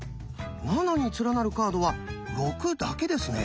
「７」に連なるカードは「６」だけですね。